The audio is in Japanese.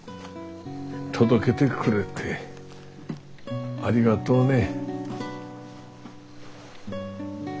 届けてくれてありがとうね。